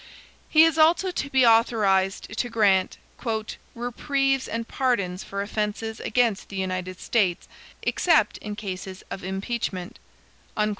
He is also to be authorized to grant "reprieves and pardons for offenses against the United States, except in cases of impeachment."